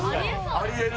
あり得る。